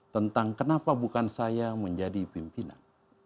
tentang kenapa bukan saya menjadi pimpinan